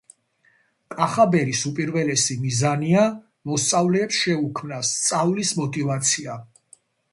კახაბერის უპირველესი მიზანია მოსწავლეებს შეუქმნას სწავლის მოტივაცია